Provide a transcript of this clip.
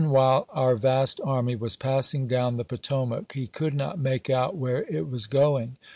Eveu wliile oiir vast army was passing down the Potomac he could not make out where it was going.